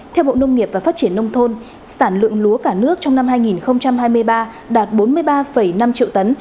theo bộ nông nghiệp và phát triển nông thôn sản lượng lúa cả nước trong năm hai nghìn hai mươi ba đạt bốn mươi ba năm triệu tấn